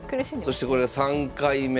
そしてこれが３回目。